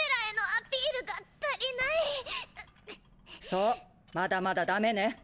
そうまだまだダメね。